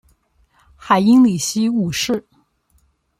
海因里希五世。